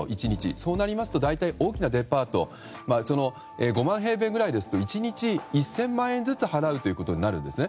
そうなりますと大きなデパート５万平米ぐらいですと１日１０００万円ずつ払うということになるんですね。